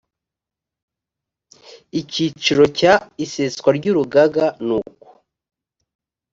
icyiciro cya iseswa ry urugaga n uko